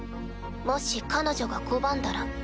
もし彼女が拒んだら？